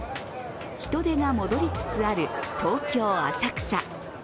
人出が戻りつつある東京・浅草。